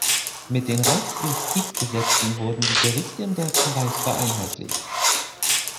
Mit den Reichsjustizgesetzen wurden die Gerichte im Deutschen Reich vereinheitlicht.